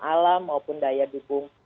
alam maupun daya dukung